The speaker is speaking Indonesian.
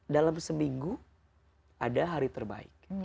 dalam seminggu ada hari terbaik